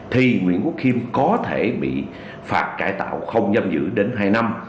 thì nguyễn quốc khiêm có thể bị phạt cải tạo không giam giữ đến hai năm